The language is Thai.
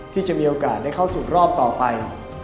ที่จะมีโอกาสได้เข้าสู่รอบต่อไป